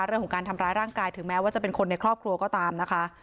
เรื่องของการทำร้ายร่างกายถึงแม้ว่าจะเป็นคนในครอบครัวก็ตามนะคะ